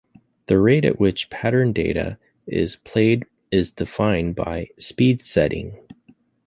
The rate at which pattern data is played is defined by a "speed setting".